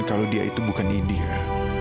kalau dia itu bukan india